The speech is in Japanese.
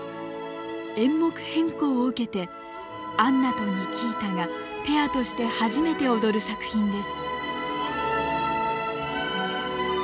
演目変更を受けてアンナとニキータがペアとして初めて踊る作品です。